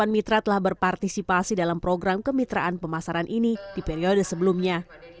dua ratus sembilan puluh delapan mitra telah berpartisipasi dalam program kemitraan pemasaran ini di periode sebelumnya